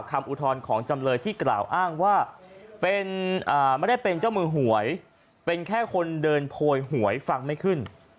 อุทธรณ์ของจำเลยที่กล่าวอ้างว่าไม่ได้เป็นเจ้ามือหวยเป็นแค่คนเดินโพยหวยฟังไม่ขึ้น